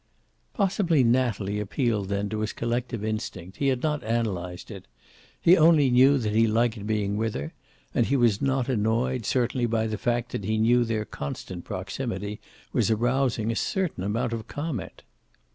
Possibly Natalie appealed then to his collective instinct, he had not analyzed it. He only knew that he liked being with her, and he was not annoyed, certainly, by the fact that he knew their constant proximity was arousing a certain amount of comment.